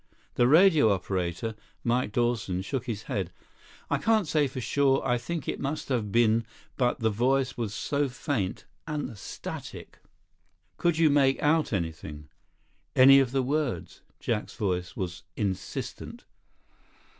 The radio operator, Mike Dawson, shook his head. "I can't say for sure. I think it must have been. But the voice was so faint. And the static—" "Could you make out anything? Any of the words?" Jack's voice was insistent.